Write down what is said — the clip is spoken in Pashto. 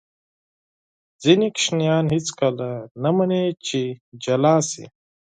ځینې ماشومان هېڅکله نه مني چې جدا شي.